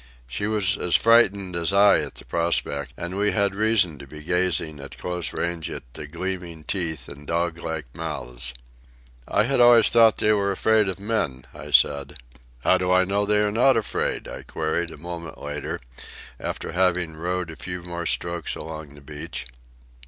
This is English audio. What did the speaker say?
She was as frightened as I at the prospect, and we had reason to be gazing at close range at the gleaming teeth and dog like mouths. "I always thought they were afraid of men," I said. "How do I know they are not afraid?" I queried a moment later, after having rowed a few more strokes along the beach.